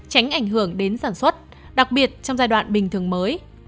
tránh ảnh hưởng đến sản xuất đặc biệt trong giai đoạn bình thường mới